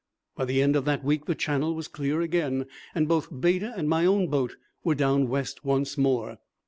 By the end of that week the Channel was clear again, and both Beta and my own boat were down West once more.